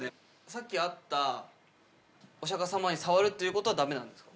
さっき会ったお釈迦様に触るということは、だめなんですか？